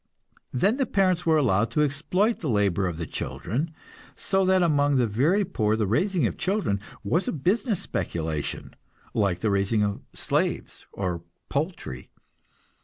Then the parents were allowed to exploit the labor of the children, so that among the very poor the raising of children was a business speculation, like the raising of slaves or poultry.